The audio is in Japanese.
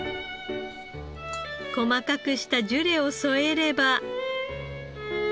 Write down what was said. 細かくしたジュレを添えれば。